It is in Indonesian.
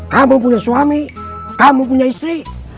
kamu punya suami kamu punya istri